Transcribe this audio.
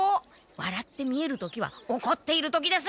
わらって見える時はおこっている時です！